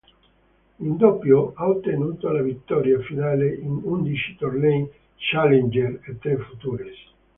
In doppio, ha ottenuto la vittoria finale in undici tornei challenger e tre futures.